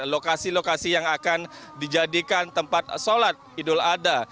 lokasi lokasi yang akan dijadikan tempat sholat idul adha